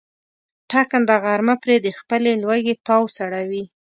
ټکنده غرمه پرې د خپلې لوږې تاو سړوي.